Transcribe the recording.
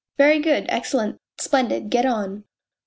" Very good, excellent, splendid. Get on